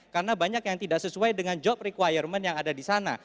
karena banyak yang tidak sesuai dengan job requirement yang ada di sana